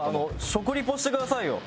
食リポしてくださいよ。